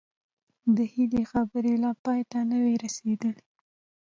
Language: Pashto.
د هيلې خبرې لا پای ته نه وې رسېدلې